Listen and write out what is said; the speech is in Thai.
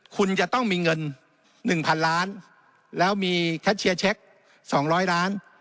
คุณจะต้องมีเงินหนึ่งพันล้านแล้วมีแคชเช็คสองร้อยล้าน